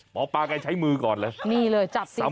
หมอปลากันใช้มือก่อนเลยนี่เลยจับสีสาบเลย